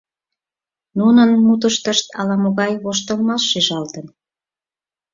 Нунын мутыштышт ала-могай воштылмаш шижалтын.